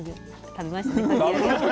食べましたよ。